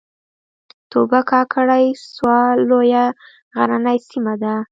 توبه کاکړۍ سوه لویه غرنۍ سیمه ده